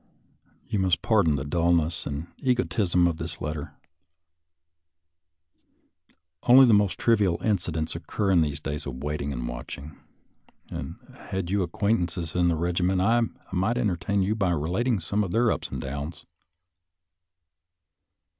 You must pardon the dullness and egotism of this letter. Only the most trivial incidents oc cur in these days of waiting and watching. Had you acquaintances in the regiment, I might en tertain you by relating some of their ups and downs.